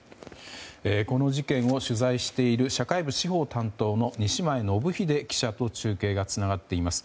この事件を取材している社会部司法担当の西前信英記者と中継がつながっています。